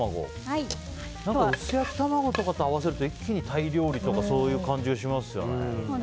何か薄焼き卵とかと合わせると一気にタイ料理とかそういう感じがしますよね。